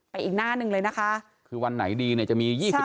อีกหน้าหนึ่งเลยนะคะคือวันไหนดีเนี่ยจะมี๒๕